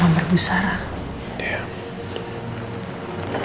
nomor bu sarah